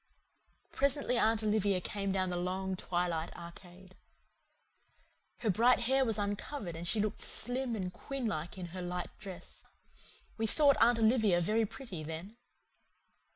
Presently Aunt Olivia came down the long twilight arcade. Her bright hair was uncovered and she looked slim and queen like in her light dress. We thought Aunt Olivia very pretty then.